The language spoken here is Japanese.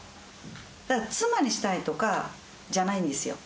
妻にしたいとかじゃないんですよ